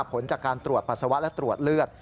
ผลจากการตรวจปัสสาวะและตรวจเลือด